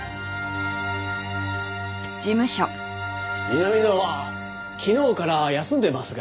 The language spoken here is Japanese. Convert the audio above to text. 南野は昨日から休んでますが。